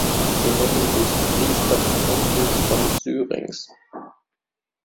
Sie nennen sich „Priester des Tempels von Syrinx“.